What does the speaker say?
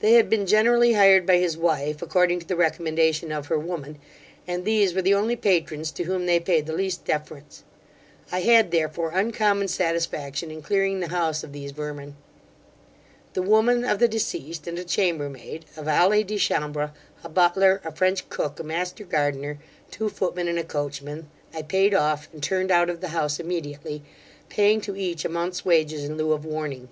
They had been generally hired by his wife, according to the recommendation of her woman, and these were the only patrons to whom they payed the least deference. I had therefore uncommon satisfaction in clearing the house of these vermin. The woman of the deceased, and a chambermaid, a valet de chambre, a butler, a French cook, a master gardener, two footmen and a coachman, I payed off, and turned out of the house immediately, paying to each a month's wages in lieu of warning.